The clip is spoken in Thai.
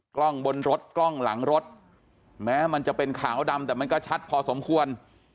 กล้องบนรถกล้องหลังรถแม้มันจะเป็นขาวดำแต่มันก็ชัดพอสมควร